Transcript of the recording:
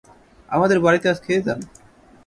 আমাদের বাড়িতে আজ খেয়ে যান।